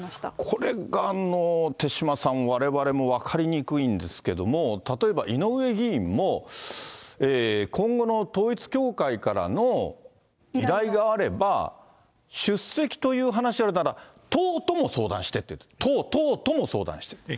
これが、手嶋さん、われわれも分かりにくいんですけれども、例えば、井上議員も今後の統一教会からの依頼があれば、出席という話があるなら党とも相談してって、党とも相談してって。